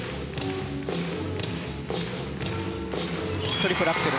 トリプルアクセル。